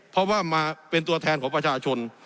เพราะว่ามาเป็นตัวแทนของประชาชน